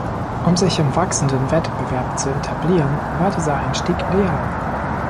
Um sich im wachsenden Wettbewerb zu etablieren, war dieser Einstieg ideal.